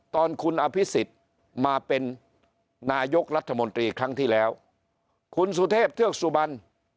ตอนคุณอภิษฎมาเป็นนายกรัฐมนตรีครั้งที่แล้วคุณสุเทพเทือกสุบัน